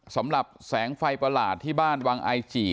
สำหรับแสงไฟประหลาดที่บ้านวังไอจี